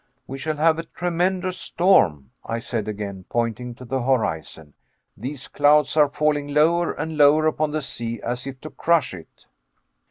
"We shall have a tremendous storm," I said again, pointing to the horizon. "These clouds are falling lower and lower upon the sea, as if to crush it."